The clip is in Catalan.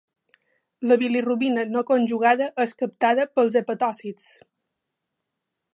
La bilirubina no conjugada és captada pels hepatòcits.